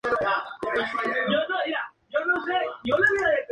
La Forge